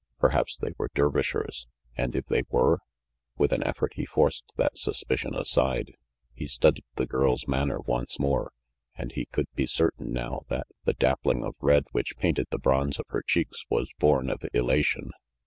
Perhaps they were Der vishers; and if they were? With an effort he forced that suspicion aside. He studied the girl's manner once more, and he could be certain now that the dappling of red which painted the bronze of her cheeks was born of elation.